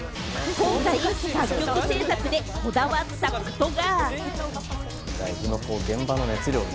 今回、楽曲制作でこだわったことが。